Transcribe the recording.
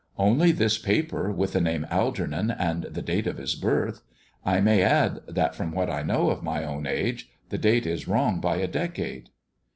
" Only this paper with the name Algernon and the date of his birth. I may add that, from what I know of my own age, the date is wrong by a decade."